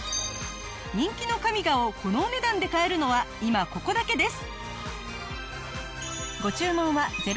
人気のＫＡＭＩＧＡをこのお値段で買えるのは今ここだけです！